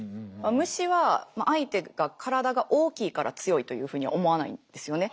虫は相手が体が大きいから強いというふうには思わないんですよね。